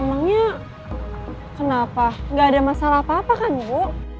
emangnya kenapa gak ada masalah apa apa kan ibu